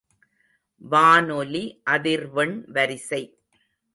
வானொலி அதிர்வெண் வரிசை.